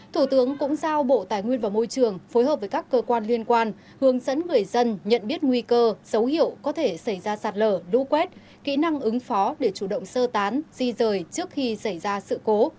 thủ tướng cũng giao bộ tài nguyên và môi trường phối hợp với các cơ quan liên quan hướng dẫn người dân nhận biết nguy cơ dấu hiệu có thể xảy ra sạt lở lũ quét kỹ năng ứng phó để chủ động sơ tán di rời trước khi xảy ra sự cố